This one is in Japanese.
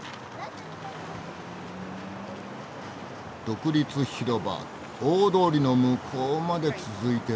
独立広場大通りの向こうまで続いてる。